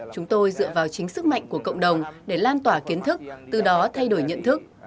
chúng tôi dựa vào chính sức mạnh của cộng đồng để lan tỏa kiến thức từ đó thay đổi nhận thức